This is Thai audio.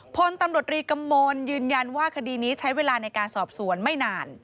พลตำรวจรีกำมลยืนยันว่าคดีนี้ใช้เวลาในการสอบสวนไม่นาน